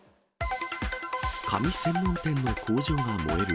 紙専門店の工場が燃える。